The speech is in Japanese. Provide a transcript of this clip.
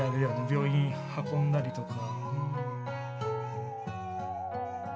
病院運んだりとか。